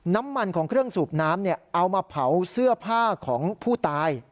น้ำมันของเครื่องสูบน้ำเอามาเผาเสื้อผ้าของผู้ตาย